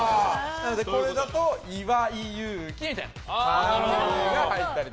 なので、これだと「いわいゆうき」みたいなのが入ったり。